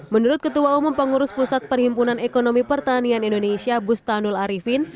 menurut ketua umum pengurus pusat perhimpunan ekonomi pertanian indonesia bustanul arifin